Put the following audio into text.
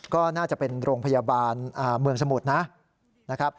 ก็น่าจะเป็นโรงพยาบาลเมืองสมุทรนะครับ